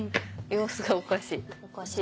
様子がおかしい。